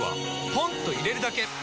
ポンと入れるだけ！